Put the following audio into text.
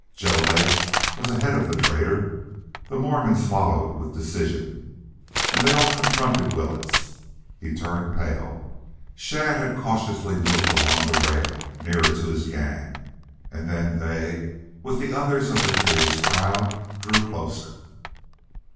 Joe Lake was ahead of the trader, the Mormons followed with decision, and they all confronted Willetts. He turned pale. Shadd had cautiously moved along the rail, nearer to his gang, and then they, with the others of the curious crowd, drew closer.